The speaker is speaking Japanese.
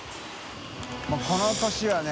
發この年はね